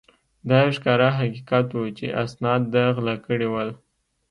دا یو ښکاره حقیقت وو چې اسناد ده غلا کړي ول.